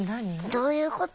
どういうことや？